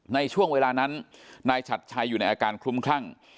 ในช่วงเวลานั้นนายฉัดชัยอยู่ในอาการคลุ้มคลั่ง